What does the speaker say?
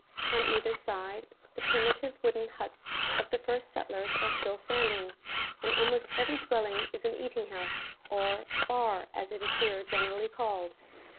On either side, the primitive wooden huts of the first settlers are still standing, and almost every dwelling is an eating house, or "bar," as it is here generally called.